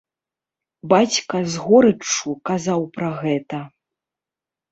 Бацька з горыччу казаў пра гэта.